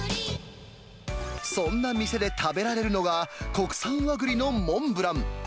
そんな店で食べられるのが、国産和栗のモンブラン。